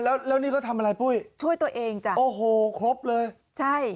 แล้วแล้วนี่เขาทำอะไรปุ้ยช่วยตัวเองจ้ะโอ้โหครบเลยใช่